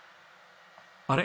あれ？